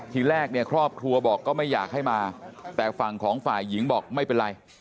ทีแรกเนี่ยครอบครัวบอกก็ไม่อยากให้มาแต่ฝั่งของฝ่ายหญิงบอกไม่เป็นไร